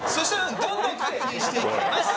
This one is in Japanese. どんどん確認していきます。